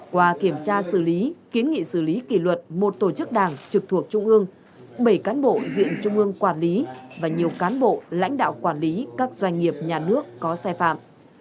qua kiểm tra xử lý kiến nghị xử lý kỷ luật một tổ chức đảng trực thuộc trung ương bảy cán bộ diện trung ương quản lý và nhiều cán bộ lãnh đạo quản lý các doanh nghiệp nhà nước có sai phạm